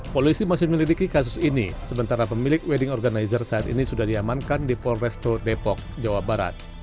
polisi masih menyelidiki kasus ini sementara pemilik wedding organizer saat ini sudah diamankan di polresto depok jawa barat